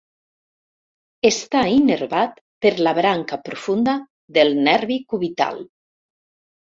Està innervat per la branca profunda del nervi cubital.